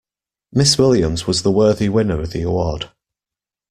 Miss Williams was the worthy winner of the award.